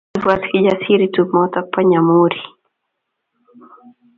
Kiibwat Kijasiri tumoto bo Namunyiri